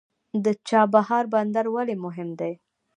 د چابهار بندر ولې مهم دی؟